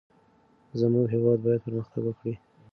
زمونږ هیواد باید پرمختګ وکړي.